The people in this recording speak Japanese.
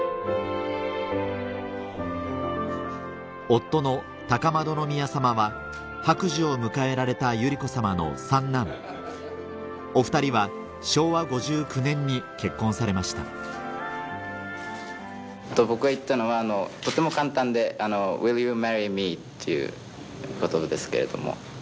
夫の高円宮さまは白寿を迎えられた百合子さまの三男お２人は昭和５９年に結婚されました僕は言ったのはとても簡単で。っていうことですけれども。